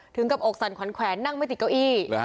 ถึงกับอกสั่นขวัญแขวนนั่งไม่ติดเก้าอี้